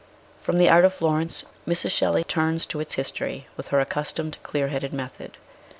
From the art of Florence Mrs. Shelley turns to its history with her accustomed clear headed method.